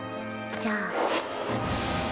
じゃあ。